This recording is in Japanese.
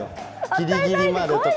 ギリギリまでとか。